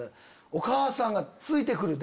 お母さんがついて来る？